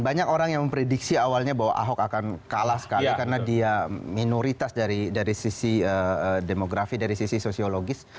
banyak orang yang memprediksi awalnya bahwa ahok akan kalah sekali karena dia minoritas dari sisi demografi dari sisi sosiologis